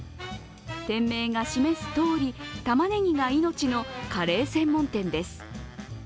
店名が示すとおり、たまねぎが命のカレー専門店です。